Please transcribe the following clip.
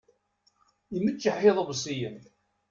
Imeččeḥ iḍebsiyen.